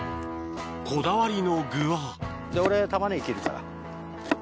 こだわりの具は俺玉ねぎ切るから。